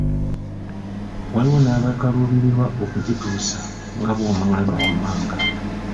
Waliwo n’abakaluubirirwa okugituusa nga bw’onoolaba wammanga.